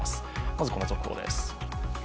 まずこの続報です。